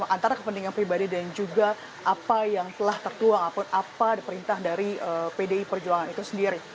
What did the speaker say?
antara kepentingan pribadi dan juga apa yang telah tertuang apa perintah dari pdi perjuangan itu sendiri